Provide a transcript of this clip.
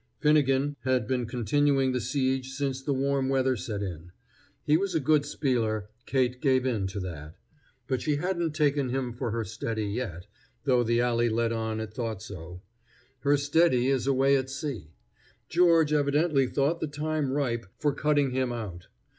Finnegan had been continuing the siege since the warm weather set in. He was a good spieler, Kate gave in to that. But she hadn't taken him for her steady yet, though the alley let on it thought so. Her steady is away at sea. George evidently thought the time ripe for cutting him out.